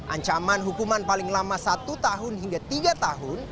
ancaman hukuman paling lama satu tahun hingga tiga tahun